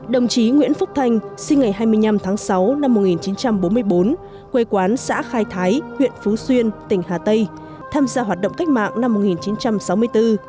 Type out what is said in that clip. đồng chí nguyễn phúc thanh sinh ngày hai mươi năm tháng sáu năm một nghìn chín trăm bốn mươi bốn quê quán xã khai thái huyện phú xuyên tỉnh hà tây tham gia hoạt động cách mạng năm một nghìn chín trăm sáu mươi bốn